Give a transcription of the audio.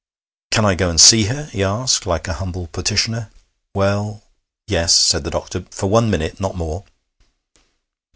'Can I go and see her?' he asked, like a humble petitioner. 'Well yes,' said the doctor, 'for one minute; not more.'